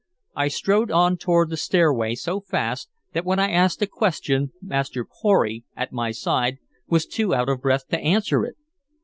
I strode on toward the stairway so fast that when I asked a question Master Pory, at my side, was too out of breath to answer it.